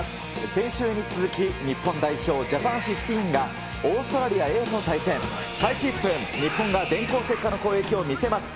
先週に続き、日本代表、ジャパン・フィフティーンが、オーストラリアＡと対戦。開始１分、日本が電光石火の攻撃を見せます。